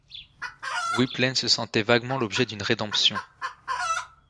Gwynplaine se sentait vaguement l’objet d’une rédemption.